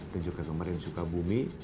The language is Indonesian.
dan juga kemarin di sukabumi